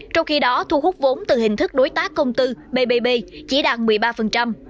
trong khi đó thu hút vốn từ hình thức đối tác công tư bbb chỉ đạt một mươi ba